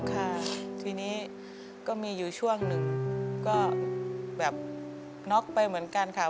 ค่ะทีนี้ก็มีอยู่ช่วงหนึ่งก็แบบน็อกไปเหมือนกันค่ะ